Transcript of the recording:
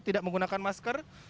tidak menggunakan masker